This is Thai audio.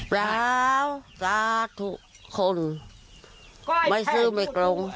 เปล่าตาทุกคนไม่ซื้อไม่กลง